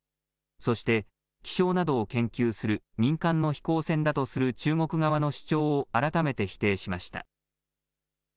そして気象などを研究する民間の飛行船だとする中国側の主張を改めて否定しました。